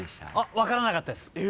分からなかったです。